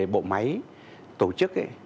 bộ máy tổ chức